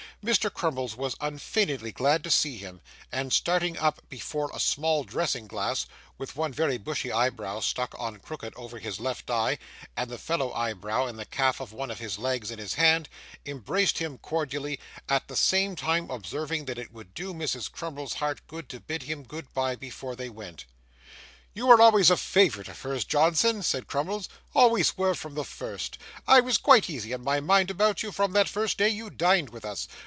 Mr. Crummles was unfeignedly glad to see him, and starting up from before a small dressing glass, with one very bushy eyebrow stuck on crooked over his left eye, and the fellow eyebrow and the calf of one of his legs in his hand, embraced him cordially; at the same time observing, that it would do Mrs. Crummles's heart good to bid him goodbye before they went. 'You were always a favourite of hers, Johnson,' said Crummles, 'always were from the first. I was quite easy in my mind about you from that first day you dined with us.